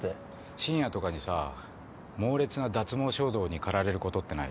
深夜とかにさ猛烈な脱毛衝動に駆られることってない？